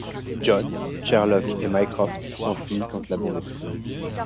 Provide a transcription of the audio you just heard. John, Sherlock, et Mycroft s'enfuient quand la bombe explose.